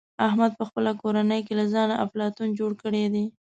احمد په خپله کورنۍ کې له ځانه افلاطون جوړ کړی دی.